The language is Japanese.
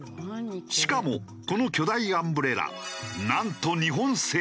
しかもこの巨大アンブレラなんと日本製。